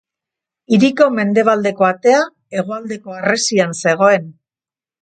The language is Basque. Hiriko mendebaldeko atea hegoaldeko harresian zegoen.